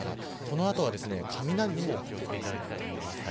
この後は、雷にもお気を付けいただきたいと思います。